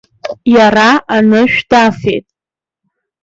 Иара анышә дафеит!